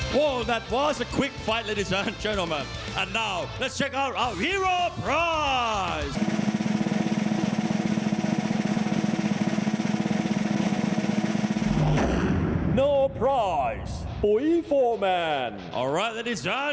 ข้างสุดสีฟันแฟลต้าเล็กไปบนเวทีครับ